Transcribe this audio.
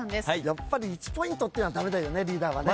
やっぱり１ポイントっていうのは駄目だよねリーダーはね。